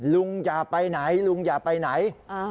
ลุงอย่าไปไหนลุงอย่าไปไหน